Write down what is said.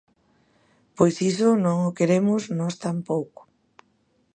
Pois iso non o queremos nós tampouco.